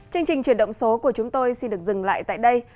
chương trình chuyển động số của chúng tôi xin được dừng lại tại đây